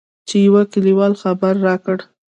چې يوه کليوال خبر راکړ.